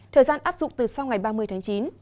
thời gian áp dụng từ sau ngày ba mươi tháng chín